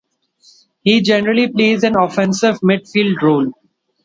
He generally plays an offensive midfield role.